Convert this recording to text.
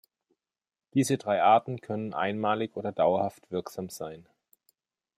Diese drei Arten können einmalig oder dauerhaft wirksam sein.